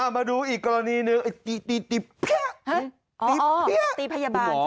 มาดูอีกกรณีหนึ่งตีตีพยาบาลใช่ไหมคะ